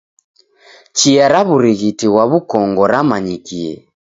Chia ra w'urighiti ghwa w'ukongo ramanyikie.